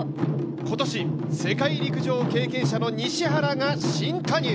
今年、世界陸上経験者の西原が新加入。